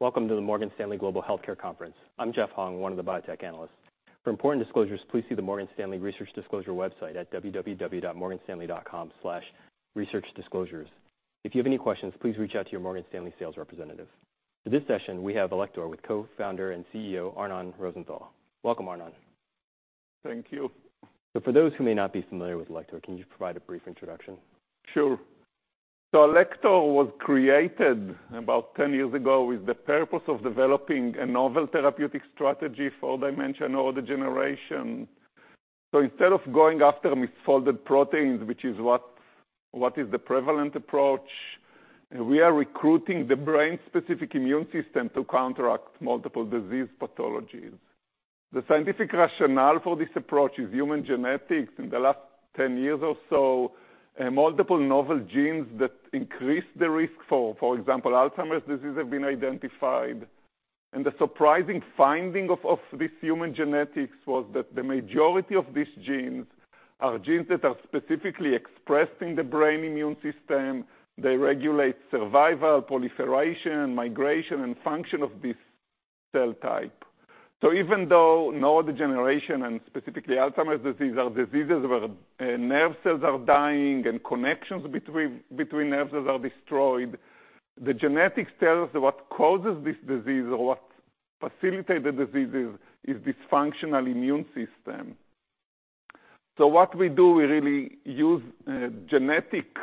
Welcome to the Morgan Stanley Global Healthcare Conference. I'm Jeff Hung, one of the biotech analysts. For important disclosures, please see the Morgan Stanley Research Disclosure website at www.morganstanley.com/researchdisclosures. If you have any questions, please reach out to your Morgan Stanley sales representative. For this session, we have Alector with co-founder and CEO, Arnon Rosenthal. Welcome, Arnon. Thank you. For those who may not be familiar with Alector, can you provide a brief introduction? Sure. So Alector was created about 10 years ago with the purpose of developing a novel therapeutic strategy for neurodegeneration. So instead of going after misfolded proteins, which is what is the prevalent approach, we are recruiting the brain-specific immune system to counteract multiple disease pathologies. The scientific rationale for this approach is human genetics. In the last 10 years or so, multiple novel genes that increase the risk, for example, Alzheimer's disease, have been identified. And the surprising finding of this human genetics was that the majority of these genes are genes that are specifically expressed in the brain immune system. They regulate survival, proliferation, migration, and function of this cell type. So even though neurodegeneration and specifically Alzheimer's disease are diseases where nerve cells are dying and connections between nerve cells are destroyed, the genetics tells us what causes this disease or what facilitate the diseases is dysfunctional immune system. So what we do, we really use genetic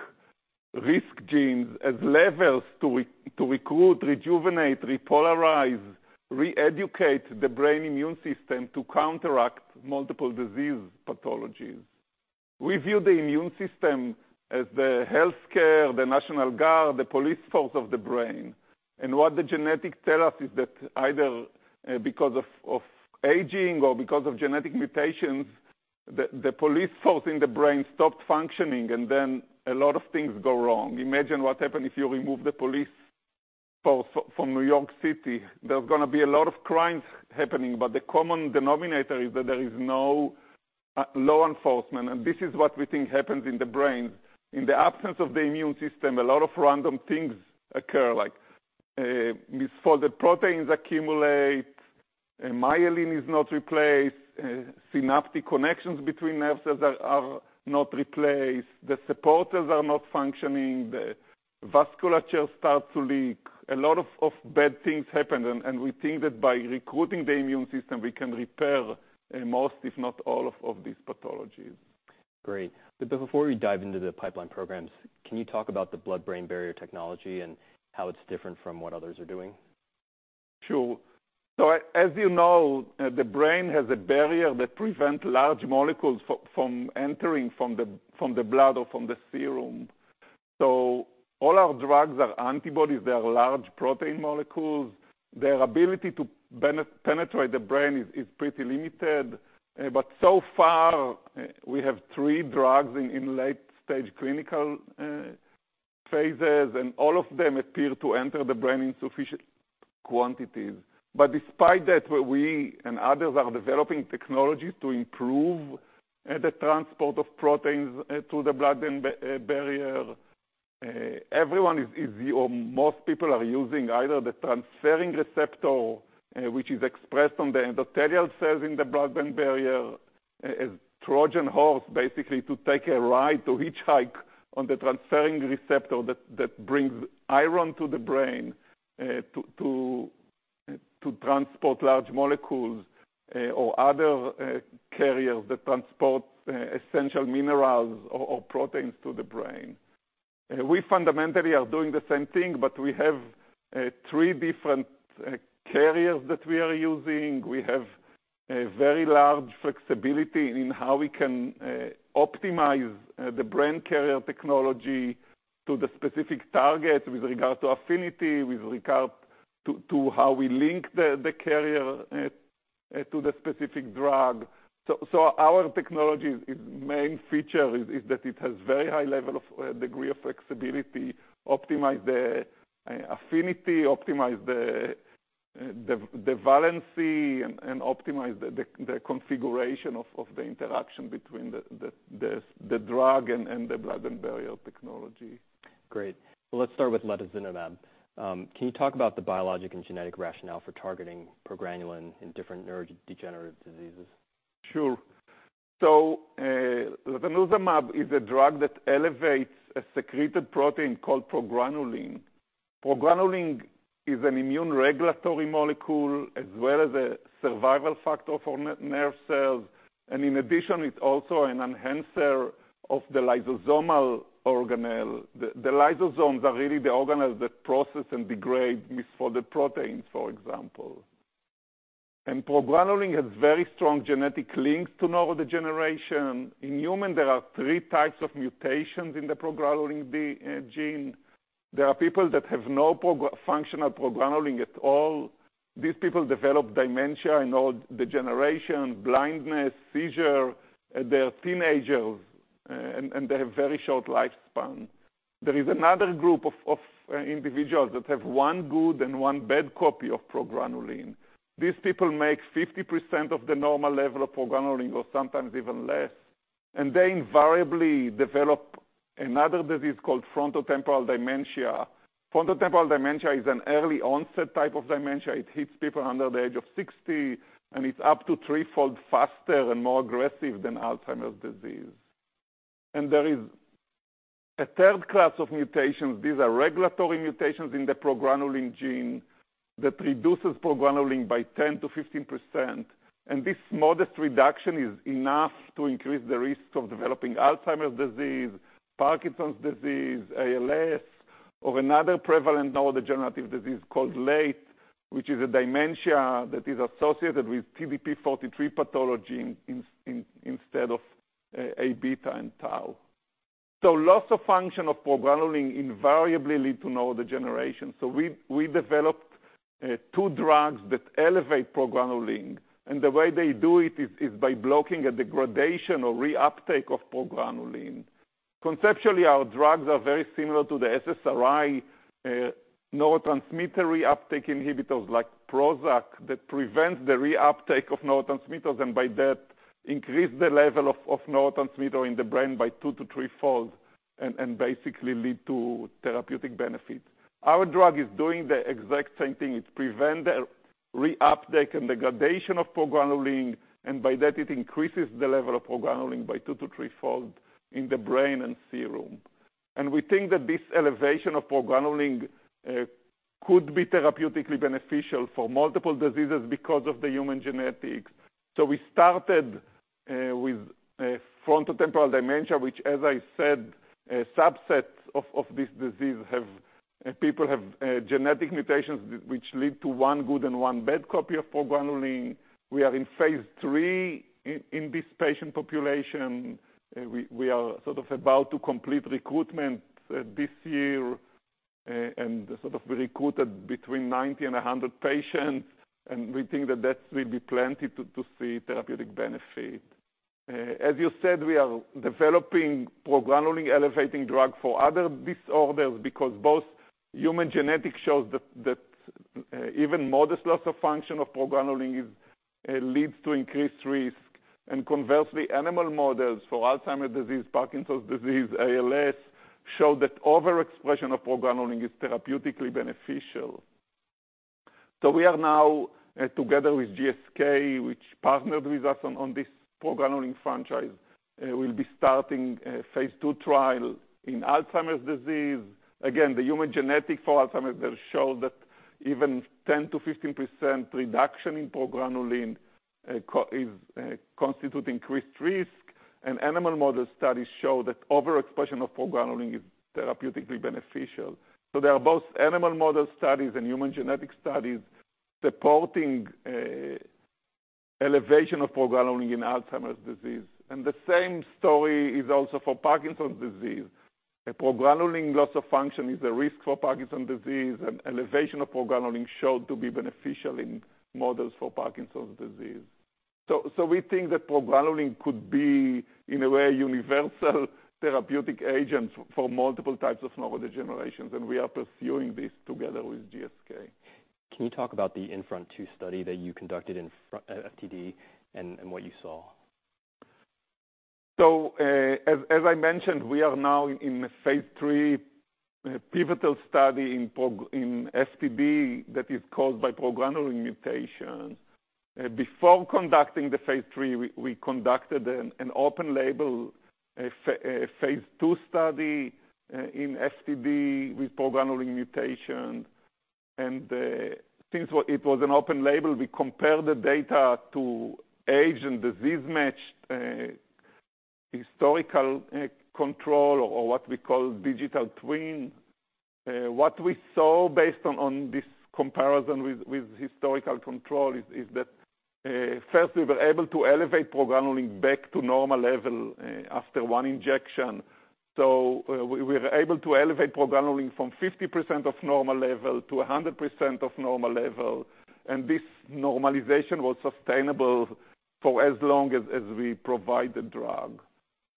risk genes as levels to recruit, rejuvenate, repolarize, re-educate the brain immune system to counteract multiple disease pathologies. We view the immune system as the healthcare, the National Guard, the police force of the brain. And what the genetics tell us is that either because of aging or because of genetic mutations, the police force in the brain stopped functioning, and then a lot of things go wrong. Imagine what happened if you remove the police force from New York City. There's gonna be a lot of crimes happening, but the common denominator is that there is no law enforcement, and this is what we think happens in the brain. In the absence of the immune system, a lot of random things occur, like misfolded proteins accumulate, and myelin is not replaced, synaptic connections between nerve cells are, are not replaced, the supporters are not functioning, the vasculature starts to leak. A lot of bad things happen, and we think that by recruiting the immune system, we can repair most, if not all of these pathologies. Great. But before we dive into the pipeline programs, can you talk about the blood-brain barrier technology and how it's different from what others are doing? Sure. So as you know, the brain has a barrier that prevent large molecules from entering from the blood or from the serum. So all our drugs are antibodies. They are large protein molecules. Their ability to penetrate the brain is pretty limited. But so far, we have three drugs in late stage clinical phases, and all of them appear to enter the brain in sufficient quantities. But despite that, we and others are developing technologies to improve the transport of proteins to the blood-brain barrier. Everyone is... Or most people are using either the transferrin receptor, which is expressed on the endothelial cells in the blood-brain barrier, as Trojan horse, basically to take a ride to hitchhike on the transferrin receptor that brings iron to the brain, to transport large molecules, or other carriers that transport essential minerals or proteins to the brain. We fundamentally are doing the same thing, but we have three different carriers that we are using. We have a very large flexibility in how we can optimize the brain carrier technology to the specific target with regard to affinity, with regard to how we link the carrier to the specific drug. So, our technology's main feature is that it has very high degree of flexibility, optimize the affinity, optimize the valency, and optimize the configuration of the interaction between the drug and the blood-brain barrier technology. Great. Well, let's start with latozinemab. Can you talk about the biologic and genetic rationale for targeting progranulin in different neurodegenerative diseases? Sure. So, latozinemab is a drug that elevates a secreted protein called progranulin. Progranulin is an immune regulatory molecule, as well as a survival factor for nerve cells, and in addition, it's also an enhancer of the lysosomal organelle. The lysosomes are really the organelles that process and degrade misfolded proteins, for example. And progranulin has very strong genetic links to neurodegeneration. In humans, there are three types of mutations in the progranulin gene. There are people that have no functional progranulin at all. These people develop dementia and neurodegeneration, blindness, seizure, they are teenagers, and they have very short lifespan. There is another group of individuals that have one good and one bad copy of progranulin. These people make 50% of the normal level of progranulin, or sometimes even less. They invariably develop another disease called frontotemporal dementia. Frontotemporal dementia is an early onset type of dementia. It hits people under the age of 60, and it's up to threefold faster and more aggressive than Alzheimer's disease. There is a third class of mutations. These are regulatory mutations in the progranulin gene that reduces progranulin by 10%-15%, and this modest reduction is enough to increase the risk of developing Alzheimer's disease, Parkinson's disease, ALS, or another prevalent neurodegenerative disease called LATE, which is a dementia that is associated with TDP-43 pathology instead of Aβ and tau. Loss of function of progranulin invariably lead to neurodegeneration. We developed two drugs that elevate progranulin, and the way they do it is by blocking a degradation or re-uptake of progranulin. Conceptually, our drugs are very similar to the SSRI, neurotransmitter reuptake inhibitors like Prozac, that prevents the reuptake of neurotransmitters, and by that increase the level of neurotransmitter in the brain by 2- to 3-fold and basically lead to therapeutic benefit. Our drug is doing the exact same thing. It prevents the reuptake and degradation of progranulin, and by that it increases the level of progranulin by 2- to 3-fold in the brain and serum. And we think that this elevation of progranulin could be therapeutically beneficial for multiple diseases because of the human genetics. So we started with frontotemporal dementia, which, as I said, a subset of this disease, people have genetic mutations, which lead to one good and one bad copy of progranulin. We are in phase III in this patient population. We are sort of about to complete recruitment this year, and sort of recruited between 90 and 100 patients, and we think that that will be plenty to see therapeutic benefit. As you said, we are developing progranulin-elevating drug for other disorders because both human genetics shows that even modest loss of function of progranulin leads to increased risk. And conversely, animal models for Alzheimer's disease, Parkinson's disease, ALS, show that overexpression of progranulin is therapeutically beneficial. So we are now together with GSK, which partnered with us on this progranulin franchise, we'll be starting a phase II trial in Alzheimer's disease. Again, the human genetics for Alzheimer's disease show that even 10%-15% reduction in progranulin, co... is, constitute increased risk, and animal model studies show that overexpression of progranulin is therapeutically beneficial. So there are both animal model studies and human genetics studies supporting, elevation of progranulin in Alzheimer's disease. And the same story is also for Parkinson's disease. A progranulin loss of function is a risk for Parkinson's disease, and elevation of progranulin showed to be beneficial in models for Parkinson's disease. So, so we think that progranulin could be, in a way, universal therapeutic agent for multiple types of neurodegenerations, and we are pursuing this together with GSK. Can you talk about the INFRONT-2 study that you conducted in FTD and what you saw? So, as I mentioned, we are now in the phase III pivotal study in FTD that is caused by progranulin mutation. Before conducting the phase III, we conducted an open label phase II study in FTD with progranulin mutation. And, since it was an open label, we compared the data to age and disease-matched historical control or what we call digital twin. What we saw based on this comparison with historical control is that first, we were able to elevate progranulin back to normal level after one injection. So, we were able to elevate progranulin from 50% of normal level to 100% of normal level, and this normalization was sustainable for as long as we provide the drug.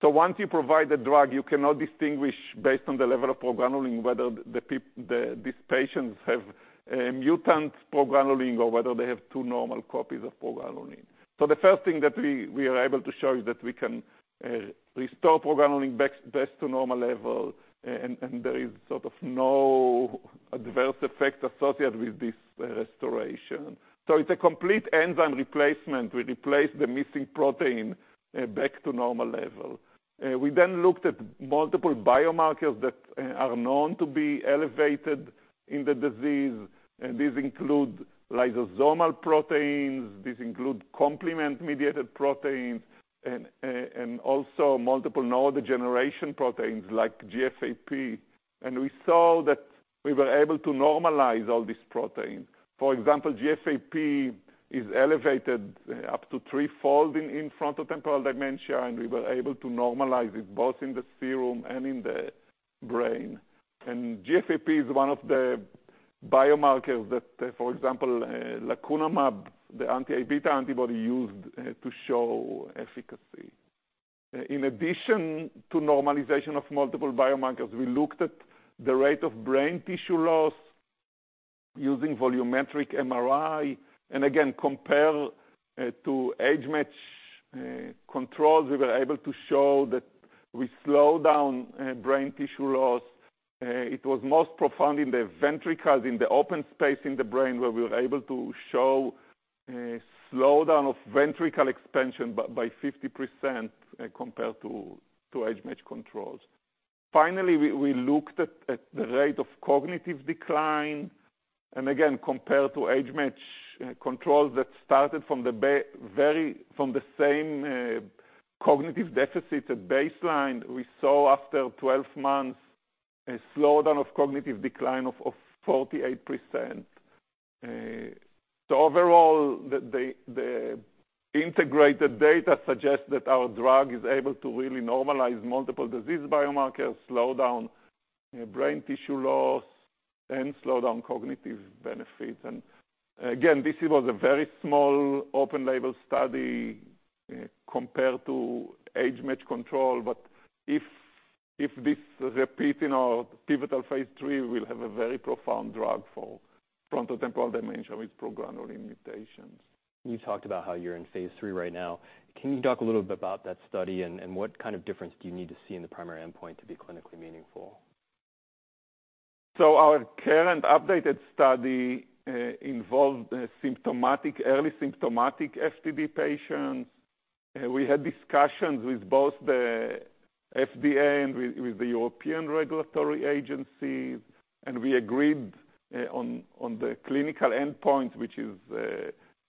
So once you provide the drug, you cannot distinguish based on the level of progranulin, whether these patients have a mutant progranulin or whether they have two normal copies of progranulin. The first thing that we are able to show is that we can restore progranulin back to normal level, and there is sort of no adverse effect associated with this restoration. It's a complete enzyme replacement. We replace the missing protein back to normal level. We then looked at multiple biomarkers that are known to be elevated in the disease, and these include lysosomal proteins, these include complement-mediated proteins, and also multiple neurodegeneration proteins like GFAP. We saw that we were able to normalize all these proteins. For example, GFAP is elevated up to threefold in frontotemporal dementia, and we were able to normalize it both in the serum and in the brain. GFAP is one of the biomarkers that, for example, lecanemab, the anti-Aβ antibody, used to show efficacy. In addition to normalization of multiple biomarkers, we looked at the rate of brain tissue loss using volumetric MRI, and again, compared to age-matched controls, we were able to show that we slow down brain tissue loss. It was most profound in the ventricles, in the open space in the brain, where we were able to show a slowdown of ventricle expansion by 50%, compared to age-matched controls. Finally, we looked at the rate of cognitive decline, and again, compared to age-matched controls that started from the same cognitive deficits at baseline, we saw after 12 months, a slowdown of cognitive decline of 48%. So overall, the integrated data suggests that our drug is able to really normalize multiple disease biomarkers, slow down brain tissue loss, and slow down cognitive benefits. And again, this was a very small open label study, compared to age-matched control. But if this repeats in our pivotal phase III, we'll have a very profound drug for frontotemporal dementia with progranulin mutations. You talked about how you're in phase III right now. Can you talk a little bit about that study, and what kind of difference do you need to see in the primary endpoint to be clinically meaningful? So our current updated study involved early symptomatic FTD patients. We had discussions with both the FDA and with the European regulatory agencies, and we agreed on the clinical endpoint, which is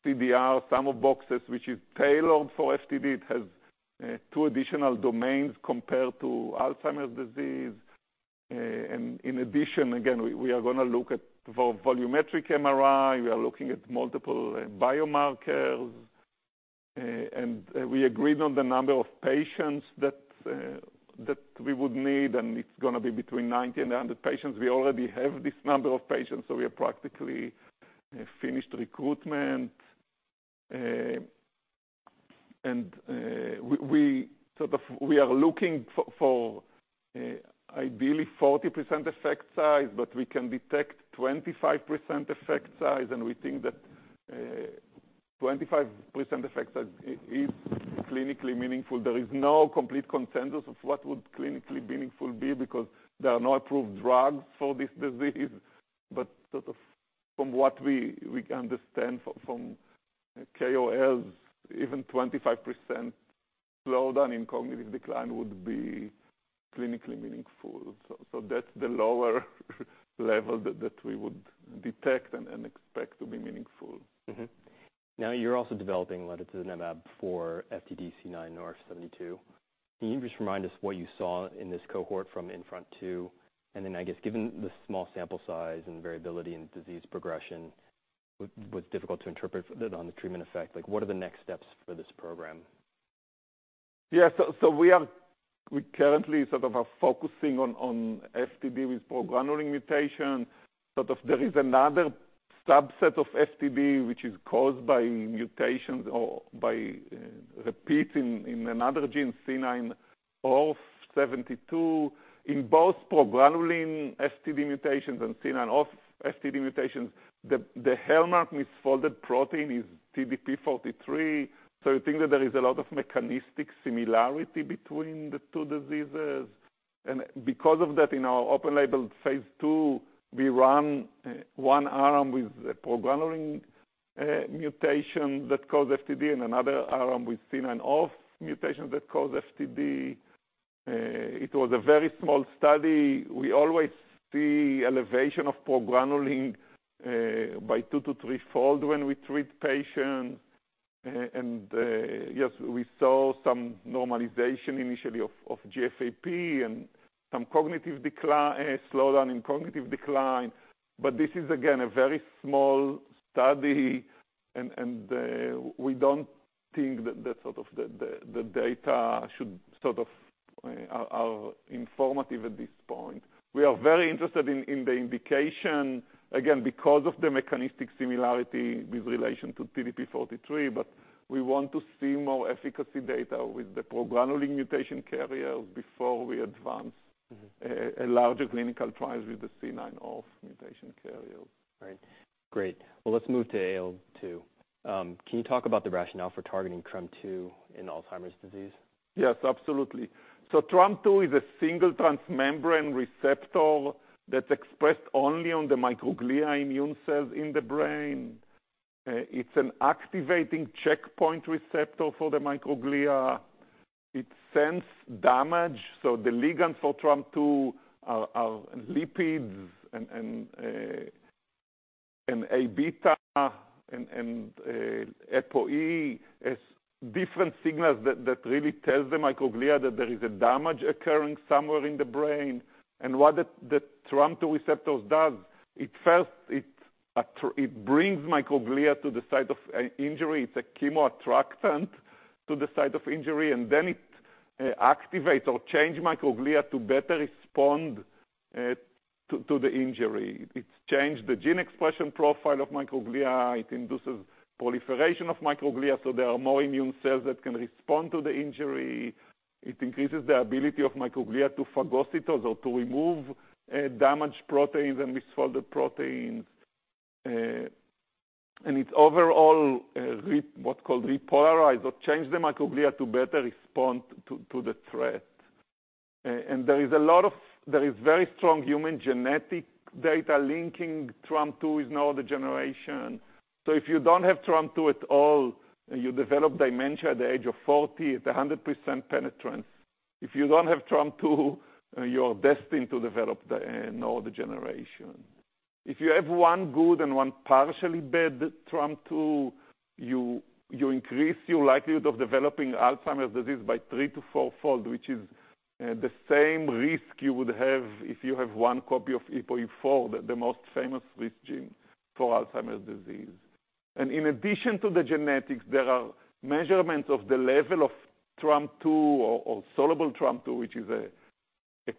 CDR Sum of Boxes, which is tailored for FTD. It has two additional domains compared to Alzheimer's disease. And in addition, again, we are gonna look at volumetric MRI. We are looking at multiple biomarkers. And we agreed on the number of patients that we would need, and it's gonna be between 90 and 100 patients. We already have this number of patients, so we are practically finished recruitment. And we are looking for, ideally 40% effect size, but we can detect 25% effect size, and we think that 25% effect size is clinically meaningful. There is no complete consensus of what would clinically meaningful be because there are no approved drugs for this disease. But sort of from what we can understand from GSK, even 25% slowdown in cognitive decline would be clinically meaningful. So that's the lower level that we would detect and expect to be meaningful. Mm-hmm. Now, you're also developing latozinemab for FTD C9orf72. Can you just remind us what you saw in this cohort from INFRONT-2? And then, I guess, given the small sample size and variability in disease progression, it was difficult to interpret the treatment effect, like, what are the next steps for this program? Yeah. So we currently sort of are focusing on FTD with progranulin mutation. Sort of there is another subset of FTD, which is caused by mutations or by repeats in another gene, C9orf72. In both progranulin FTD mutations and C9orf72 FTD mutations, the hallmark misfolded protein is TDP-43. So we think that there is a lot of mechanistic similarity between the two diseases, and because of that, in our open-label phase II, we run one arm with a progranulin mutation that cause FTD and another arm with C9orf72 mutations that cause FTD. It was a very small study. We always see elevation of progranulin by 2- to 3-fold when we treat patients. And yes, we saw some normalization initially of GFAP and some cognitive decline slowdown in cognitive decline. But this is, again, a very small study, and we don't think that the data are informative at this point. We are very interested in the indication, again, because of the mechanistic similarity with relation to TDP-43, but we want to see more efficacy data with the progranulin mutation carriers before we advance- Mm-hmm. a larger clinical trials with the C9orf mutation carriers. Right. Great. Well, let's move to AL002. Can you talk about the rationale for targeting TREM2 in Alzheimer's disease? Yes, absolutely. So TREM2 is a single transmembrane receptor that's expressed only on the microglia immune cells in the brain. It's an activating checkpoint receptor for the microglia. It sense damage, so the ligand for TREM2 are lipids and Aβ and APOE. It's different signals that really tells the microglia that there is a damage occurring somewhere in the brain. And what the TREM2 receptors does, it first it brings microglia to the site of injury. It's a chemoattractant to the site of injury, and then it activates or change microglia to better respond to the injury. It's changed the gene expression profile of microglia. It induces proliferation of microglia, so there are more immune cells that can respond to the injury. It increases the ability of microglia to phagocytose or to remove, damaged proteins and misfolded proteins, and it's overall, what's called repolarized or change the microglia to better respond to the threat. There is very strong human genetic data linking TREM2 with neurodegeneration. So if you don't have TREM2 at all and you develop dementia at the age of 40, it's 100% penetrance. If you don't have TREM2, you're destined to develop the neurodegeneration. If you have one good and one partially bad TREM2, you increase your likelihood of developing Alzheimer's disease by three- to fourfold, which is the same risk you would have if you have one copy of APOE4, the most famous risk gene for Alzheimer's disease. In addition to the genetics, there are measurements of the level of TREM2 or soluble TREM2, which is a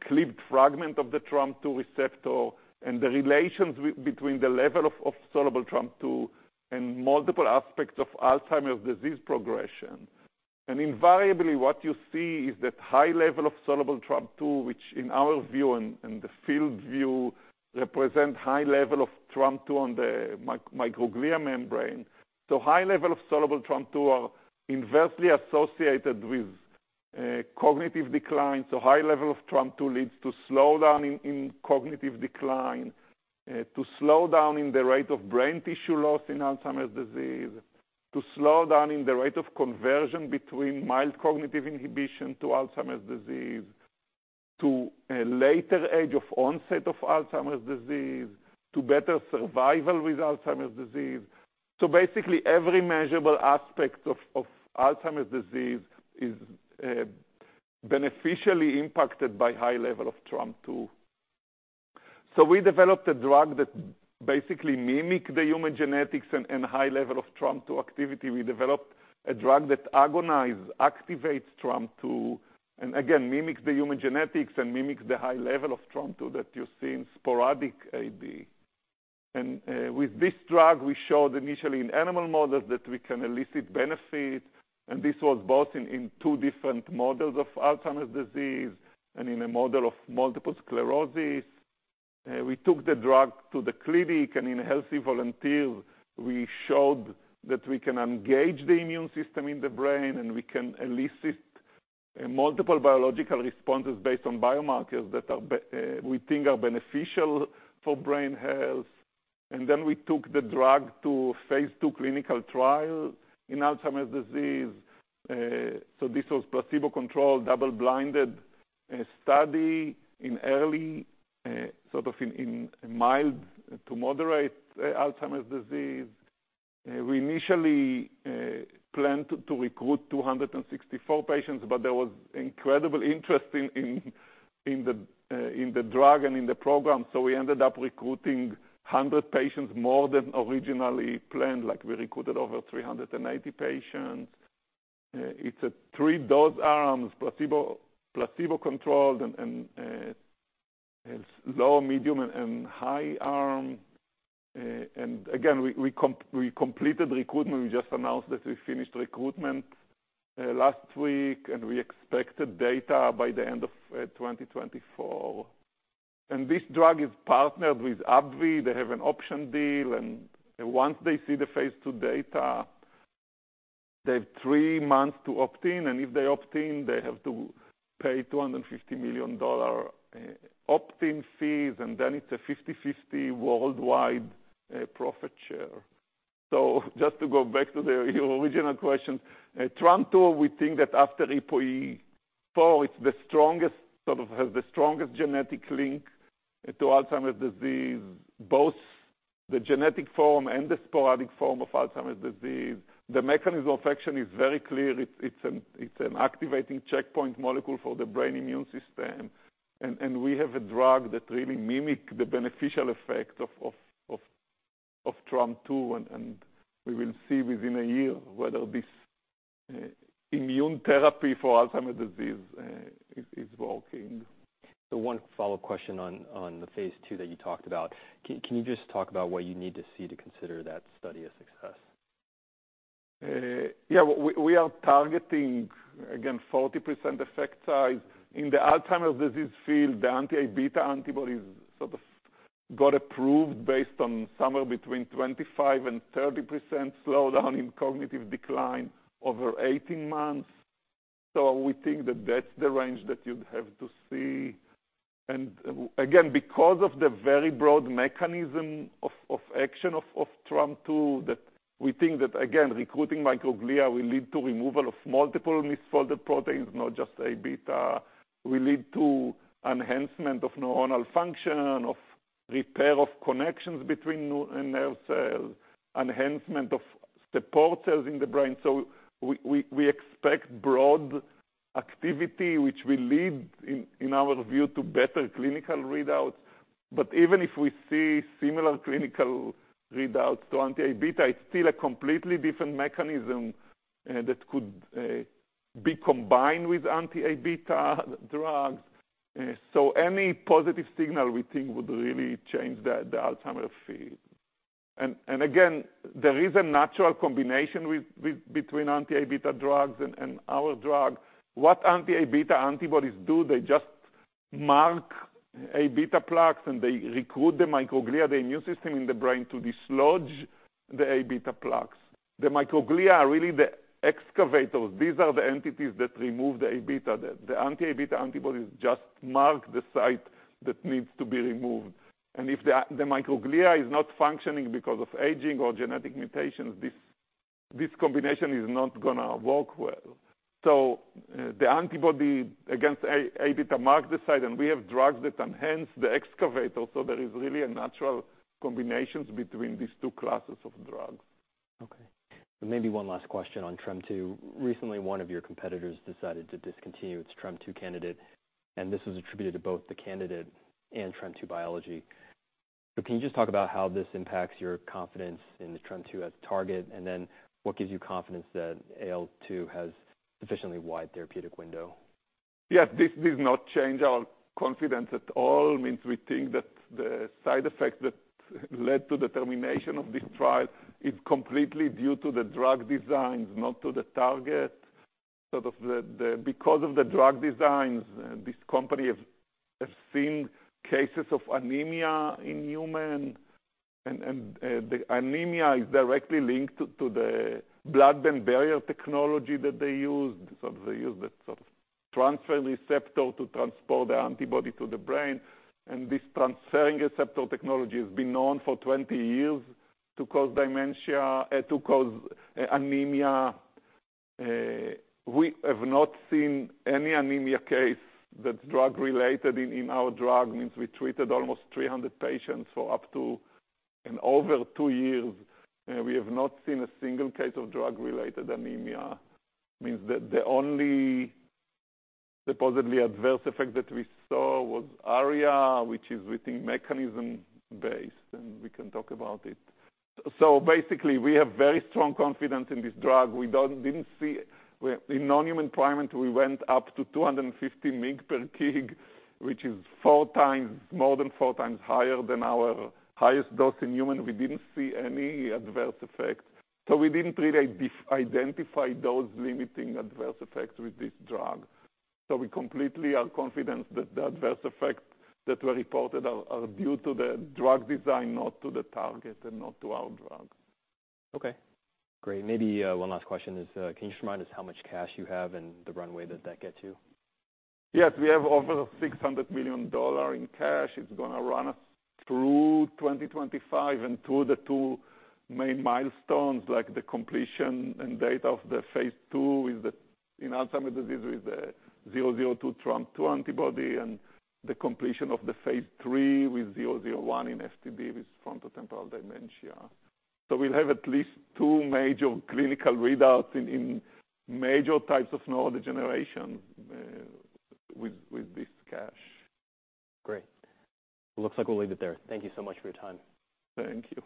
clipped fragment of the TREM2 receptor, and the relations between the level of soluble TREM2 and multiple aspects of Alzheimer's disease progression. Invariably, what you see is that high level of soluble TREM2, which in our view and the field view, represent high level of TREM2 on the microglia membrane. High level of soluble TREM2 are inversely associated with cognitive decline. High level of TREM2 leads to slow down in cognitive decline, to slow down in the rate of brain tissue loss in Alzheimer's disease, to slow down in the rate of conversion between mild cognitive impairment to Alzheimer's disease, to a later age of onset of Alzheimer's disease, to better survival with Alzheimer's disease. So basically, every measurable aspect of Alzheimer's disease is beneficially impacted by high level of TREM2. So we developed a drug that basically mimics the human genetics and high level of TREM2 activity. We developed a drug that agonizes, activates TREM2, and again, mimics the human genetics and mimics the high level of TREM2 that you see in sporadic AD. And with this drug, we showed initially in animal models that we can elicit benefit, and this was both in two different models of Alzheimer's disease and in a model of multiple sclerosis. We took the drug to the clinic, and in healthy volunteers, we showed that we can engage the immune system in the brain, and we can elicit multiple biological responses based on biomarkers that are, we think, beneficial for brain health. Then we took the drug to phase II clinical trial in Alzheimer's disease. So this was placebo-controlled, double-blind study in early, sort of in mild to moderate Alzheimer's disease. We initially planned to recruit 264 patients, but there was incredible interest in the drug and in the program, so we ended up recruiting 100 patients more than originally planned. Like, we recruited over 380 patients. It's a 3-dose arms, placebo, placebo-controlled and low, medium, and high arm. And again, we completed recruitment. We just announced that we finished recruitment last week, and we expected data by the end of 2024. And this drug is partnered with AbbVie. They have an option deal, and once they see the phase II data, they have 3 months to opt in, and if they opt in, they have to pay $250 million opt-in fees, and then it's a 50/50 worldwide profit share. So just to go back to your original question, TREM2, we think that after APOE4, it's the strongest sort of has the strongest genetic link to Alzheimer's disease, both the genetic form and the sporadic form of Alzheimer's disease. The mechanism of action is very clear. It's an activating checkpoint molecule for the brain immune system, and we have a drug that really mimic the beneficial effect of TREM2, and we will see within a year whether this immune therapy for Alzheimer's disease is working. So one follow-up question on the phase II that you talked about. Can you just talk about what you need to see to consider that study a success? Yeah, we are targeting, again, 40% effect size. In the Alzheimer's disease field, the anti-Aβ antibodies sort of got approved based on somewhere between 25%-30% slowdown in cognitive decline over 18 months. So we think that that's the range that you'd have to see. And, again, because of the very broad mechanism of action of TREM2, that we think that, again, recruiting microglia will lead to removal of multiple misfolded proteins, not just Aβ. Will lead to enhancement of neuronal function, of repair of connections between neu- and nerve cells, enhancement of the glial cells in the brain. So we, we, we expect broad activity, which will lead, in our view, to better clinical readouts. But even if we see similar clinical readouts to anti-Aβ, it's still a completely different mechanism that could be combined with anti-Aβ drugs. So any positive signal, we think, would really change the Alzheimer's field. And again, there is a natural combination with between anti-Aβ drugs and our drug. What anti-Aβ antibodies do, they just mark Aβ plaques, and they recruit the microglia, the immune system in the brain, to dislodge the Aβ plaques. The microglia are really the excavators. These are the entities that remove the Aβ. The anti-Aβ antibodies just mark the site that needs to be removed. And if the microglia is not functioning because of aging or genetic mutations, this combination is not gonna work well. So, the antibody against Aβ mark the site, and we have drugs that enhance the excavator, so there is really a natural combinations between these two classes of drugs. Okay. Maybe one last question on TREM2. Recently, one of your competitors decided to discontinue its TREM2 candidate, and this was attributed to both the candidate and TREM2 biology. So can you just talk about how this impacts your confidence in the TREM2 as a target, and then what gives you confidence that AL002 has sufficiently wide therapeutic window? Yes, this does not change our confidence at all. Means we think that the side effects that led to the termination of this trial is completely due to the drug designs, not to the target. Sort of the, because of the drug designs, this company have seen cases of anemia in human, and, the anemia is directly linked to the blood-brain barrier technology that they use. So they use the sort of transferrin receptor to transport the antibody to the brain, and this transferrin receptor technology has been known for 20 years to cause dementia, to cause anemia. We have not seen any anemia case that's drug-related in our drug. Means we treated almost 300 patients for up to, and over 2 years, and we have not seen a single case of drug-related anemia. It means the only supposedly adverse effect that we saw was ARIA, which is, we think, mechanism-based, and we can talk about it. So basically, we have very strong confidence in this drug. We didn't see... In non-human primates, we went up to 250 mg per kg, which is four times, more than four times higher than our highest dose in human. We didn't see any adverse effects. So we didn't really identify those limiting adverse effects with this drug. So we completely are confident that the adverse effects that were reported are, are due to the drug design, not to the target and not to our drug. Okay, great. Maybe, one last question is, can you just remind us how much cash you have and the runway that that gets you? Yes, we have over $600 million in cash. It's gonna run us through 2025 and through the two main milestones, like the completion and data of the phase II with the, in Alzheimer's disease, with the AL002 TREM2 antibody, and the completion of the phase III with AL001 in FTD, with frontotemporal dementia. So we'll have at least two major clinical readouts in major types of neurodegeneration, with this cash. Great. It looks like we'll leave it there. Thank you so much for your time. Thank you.